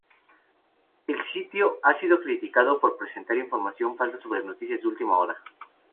El sitio ha sido criticado por presentar información falsa sobre noticias de última hora.